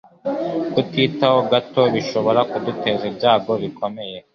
Kutitaho gato birashobora guteza ibyago bikomeye.